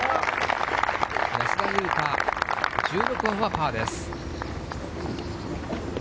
安田祐香、１６番はパーです。